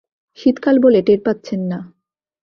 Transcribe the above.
শীত-কাল বলে টের পাচ্ছেন না।